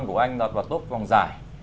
của anh đọt vào tốp vòng giải